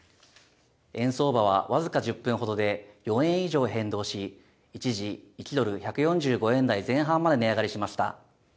円相場は僅か１０分ほどで４円以上変動し一時、１ドル１４５円台前半まで値上がりしました。